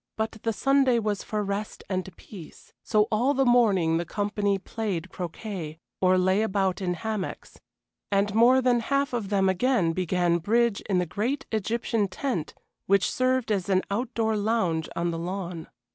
But the Sunday was for rest and peace, so all the morning the company played croquet, or lay about in hammocks, and more than half of them again began bridge in the great Egyptian tent which served as an out door lounge on the lawn.